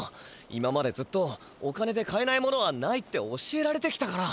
今までずっとお金で買えないものはないって教えられてきたから。